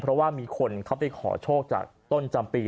เพราะว่ามีคนเขาไปขอโชคจากต้นจำปี